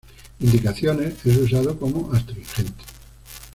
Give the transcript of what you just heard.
Indicaciones: es usado como astringente.